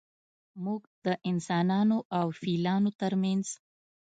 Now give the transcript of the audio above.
موږ د انسانانو او فیلانو ترمنځ